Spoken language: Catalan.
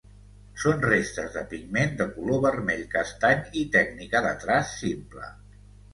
Són restes de pigment de color vermell-castany i tècnica de traç simple.